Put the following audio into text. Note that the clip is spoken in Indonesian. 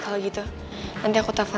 kayaknya itu reva deh yang nelfon